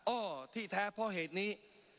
อ้อที่แท้เพราะเหตุนี้